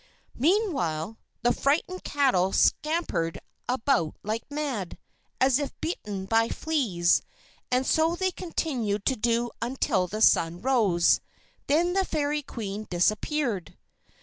Meanwhile the frightened cattle scampered about like mad, as if bitten by fleas, and so they continued to do until the sun rose. Then the Fairy Queen disappeared.